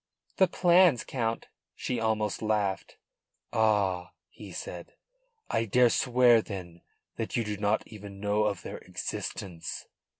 "The plans, Count!" She almost laughed. "Ah!" he said. "I dare swear then that you do not even know of their existence."